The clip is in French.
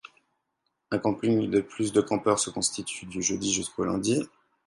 Un camping de plus de campeurs se constitue du jeudi jusqu'au lundi.